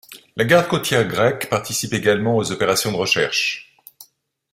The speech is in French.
La garde-côtière grecque participe également aux opérations de recherche.